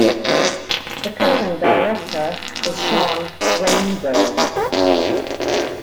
The current director is Sean Rainbird.